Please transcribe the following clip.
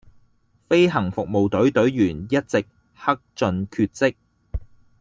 飛行服務隊隊員一直克盡厥職